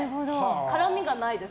絡みがないです